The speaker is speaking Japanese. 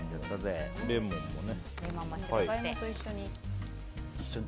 レモンもね。